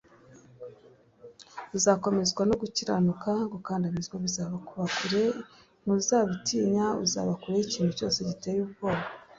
uzakomezwa no gukiranuka gukandamizwa bizakuba kure ntuzabitinya uzaba kure y’ikintu cyose giteye ubwoba